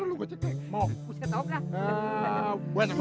ntar lu cek deh